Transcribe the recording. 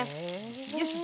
よいしょ。